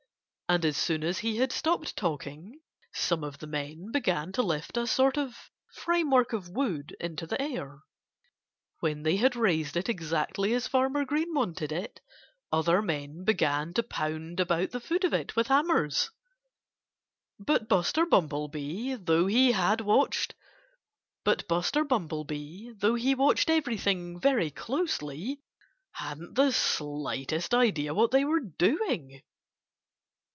And as soon as he had stopped talking some of the men began to lift a sort of framework of wood into the air. When they had raised it exactly as Farmer Green wanted it other men began to pound about the foot of it with hammers. But Buster Bumblebee though he watched everything very closely hadn't the slightest idea what they were doing.